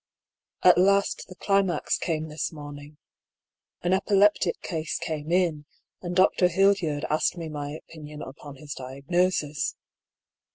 At last the climax came this morning. An epileptic case came in, and Dr. Hildyard asked my opinion upon his diagnosis.